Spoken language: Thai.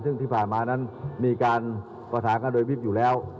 ซึ่งที่ผ่านมานั้นมีการประสานกันโดยวิบอยู่แล้ว